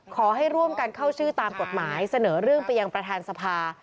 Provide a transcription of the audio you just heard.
ขอให้ร่วมกันเข้าชื่อตามกฎหมายเสนอเรื่องไปยังประธานสภา